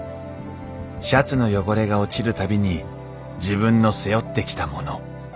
シャツの汚れが落ちる度に自分の背負ってきたもの